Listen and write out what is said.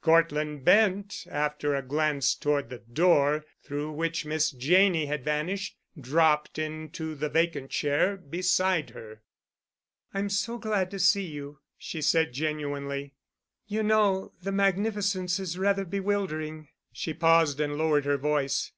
Cortland Bent, after a glance toward the door through which Miss Janney had vanished, dropped into the vacant chair beside her. "I'm so glad to see you," she said genuinely. "You know the magnificence is rather bewildering." She paused and lowered her voice.